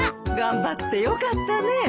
頑張ってよかったね。